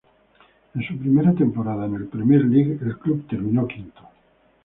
En su primera temporada en la Premier League, el club terminó quinto.